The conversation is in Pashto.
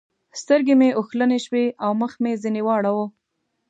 سترګې مې اوښلنې شوې او مخ مې ځنې واړاوو.